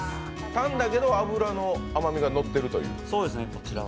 タンだけど脂の甘みがのっているという？